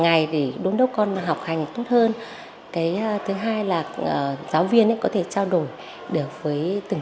ngày thì đốn đốt con học hành tốt hơn cái thứ hai là giáo viên có thể trao đổi được với từng